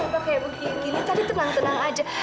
tadi tenang tenang aja